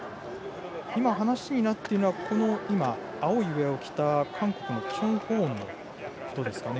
今、話になっているのは青いウエアを着た韓国のチョン・ホウォンのことですかね。